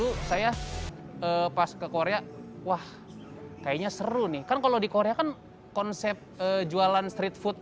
itu saya pas ke korea wah kayaknya seru nih kan kalau di korea kan konsep jualan street food